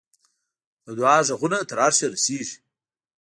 د دعا ږغونه تر عرشه رسېږي.